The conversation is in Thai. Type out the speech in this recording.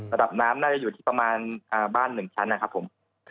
ระดับน้ำน่าจะอยู่ที่ประมาณบ้าน๑ชั้นนะครับผม